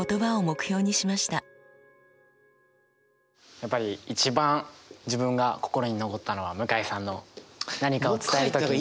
やっぱり一番自分が心に残ったのは向井さんの「何かを伝えるときに」。